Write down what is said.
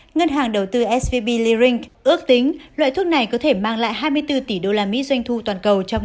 ngân hàng đầu tư svb lering ước tính loại thuốc này có thể mang lại hai mươi bốn tỷ usd doanh thu toàn cầu trong